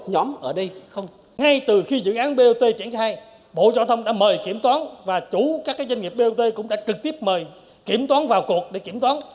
nhóm ở đây ngay từ khi dự án bot triển khai bộ giao thông đã mời kiểm toán và chủ các doanh nghiệp bot cũng đã trực tiếp mời kiểm toán vào cuộc để kiểm toán